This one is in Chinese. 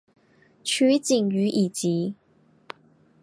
取景于以及。